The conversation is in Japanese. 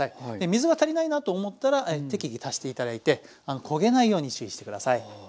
水が足りないなと思ったら適宜足して頂いて焦げないように注意して下さい。